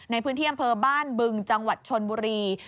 ในพื้นที่อำเภอบ้านบึงจังหวัดชนบุรี